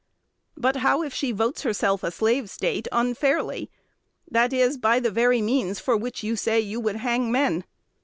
But how if she votes herself a Slave State unfairly, that is, by the very means for which you say you would hang men?